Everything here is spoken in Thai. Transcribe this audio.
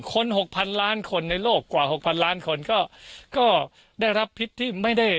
หกพันล้านคนในโลกกว่า๖๐๐ล้านคนก็ได้รับพิษที่ไม่ได้